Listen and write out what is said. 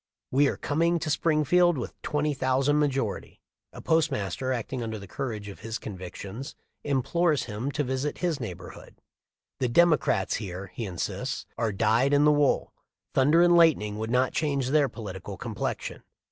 We are coming to Springfield with 20,000 majority!" A postmaster, acting under the courage of his convictions, implores him to visit his neighborhood. "The Democrats here," he insists, "are dyed in the wool. Thunder and lightning would not change their political complexion.